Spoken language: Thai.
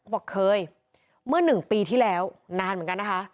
บอกเคยเมื่อ๑ปีที่แล้วนานเหมือนกันนะคะ